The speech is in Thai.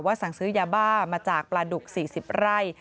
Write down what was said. สั่งซื้อยาบ้ามาจากปลาดุก๔๐ไร่